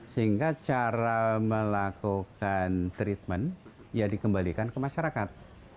sehingga cara melakukan treatment ya dikembalikan ke masyarakat